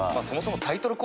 そもそも。